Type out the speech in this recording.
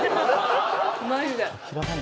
マジで。